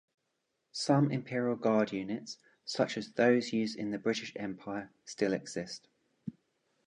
Some imperial guard units, such as those used in the British Empire, still exist.